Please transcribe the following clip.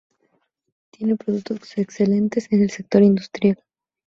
Tiene productos excelentes en el sector industrial.